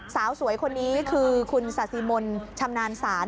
สาวสวยคนนี้คือคุณสาธิมนต์ชำนาญศาล